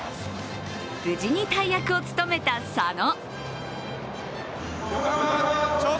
無事に大役を務めた佐野。